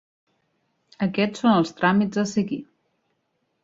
Aquests són els tràmits a seguir.